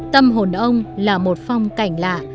tâm hồn ông là một phong cảnh lạ